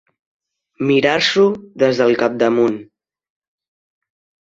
Mirar-s'ho des del capdamunt.